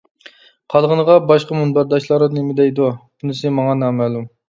قالغىنىغا باشقا مۇنبەرداشلار نېمە دەيدۇ، بۇنىسى ماڭا نامەلۇم.